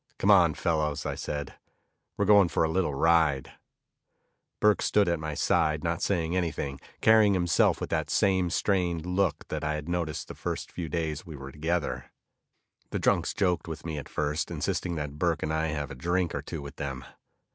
"Come on, fellows," I said, "we're going for a little ride." Burke stood at my side, not saying anything, carrying himself with that same strained look that I had noticed the first few days we were together. The drunks joked with me at first, insisting that Burke and I have a drink or two with them.